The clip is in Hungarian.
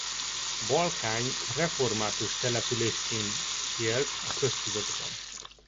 Balkány református településként élt a köztudatban.